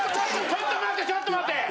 ちょっと待てちょっと待て！